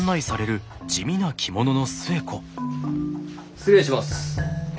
失礼します。